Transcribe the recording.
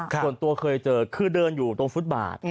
ส่วนตัวเคยเจอคือเดินอยู่ตรงฟุตบาท